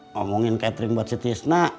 ngomongin catering buat si tisna